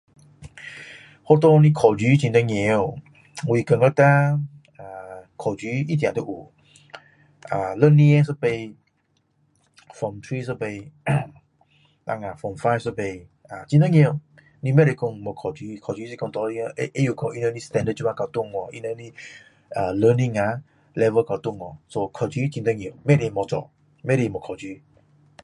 学校的考书很重要，我觉得呢，啊，考书一定要有，啊，六年一次，form3 一次，但啊，form5 一次，很重要，你不能讲没考书，考书让他们知道他们 stamdard 到哪里，他们 leaning 啊 lever 到哪里，考书很重要，不能没做，不能没考书